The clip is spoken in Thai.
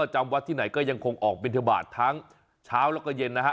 จำวัดที่ไหนก็ยังคงออกบินทบาททั้งเช้าแล้วก็เย็นนะฮะ